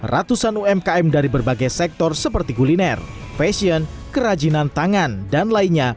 ratusan umkm dari berbagai sektor seperti kuliner fashion kerajinan tangan dan lainnya